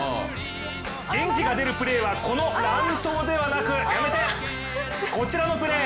元気が出るプレーは、この乱闘ではなく、こちらのプレー。